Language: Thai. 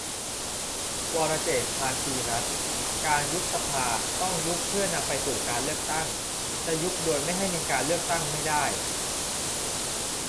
วรเจตน์ ภาคีรัตน์ : การยุบสภาต้องยุบเพื่อนำไปสู่การเลือกตั้ง จะยุบโดยไม่ให้มีเลือกตั้งไม่ได้